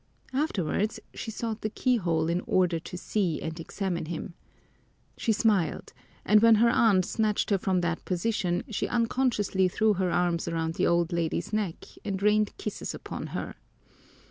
Afterwards she sought the keyhole in order to see and examine him. She smiled, and when her aunt snatched her from that position she unconsciously threw her arms around the old lady's neck and rained kisses upon her.